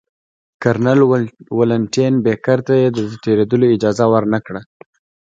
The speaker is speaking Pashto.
کرنل ولنټین بېکر ته یې د تېرېدلو اجازه ورنه کړه.